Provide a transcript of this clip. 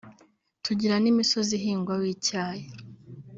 tugira n’imisozi ihingwaho icyayi